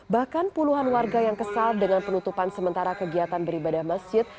bahkan puluhan warga yang kesal dengan penutupan sementara kegiatan beribadah masjid